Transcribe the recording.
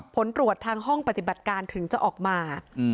ผลตรวจทางห้องปฏิบัติการถึงจะออกมา